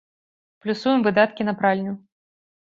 Плюсуем выдаткі на пральню.